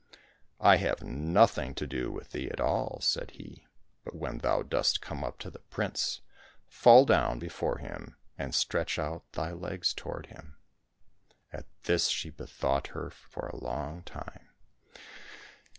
" I have nothing to do with thee at all," said he, " but when thou dost come up to the prince, fall down before him, and stretch out thy legs toward him !" At this she bethought her for a long time.